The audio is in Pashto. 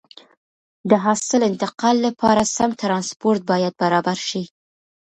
د حاصل انتقال لپاره سم ترانسپورت باید برابر شي.